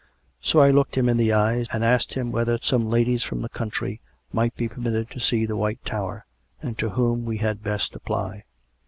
So I looked him in the eyes, and asked him whether some ladies from the country might be permitted to see the White Tower, and to whom we had best apply.